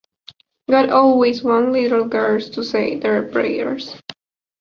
God always wants little girls to say their prayers.